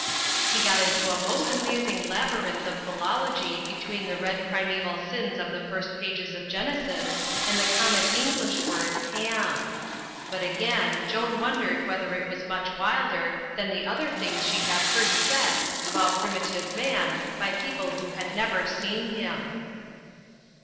He got into a most amazing labyrinth of philology between the red primeval sins of the first pages of Genesis and the Common English word "ham." But, again, Joan wondered whether it was much wilder than the other things she had heard said about Primi tive Man by people who had never seen him.